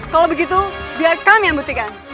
kalau begitu biar kami yang buktikan